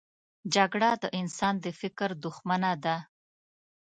جګړه د انسان د فکر دښمنه ده